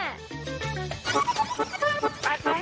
ไปไหน